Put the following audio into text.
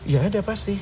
ya ada pasti